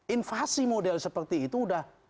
invasi model seperti itu udah